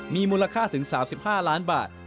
มีมูลค่าถึง๓๕ล้านบาท